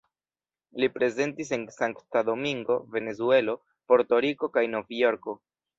Li prezentis en Sankta Domingo, Venezuelo, Porto-Riko kaj Novjorko.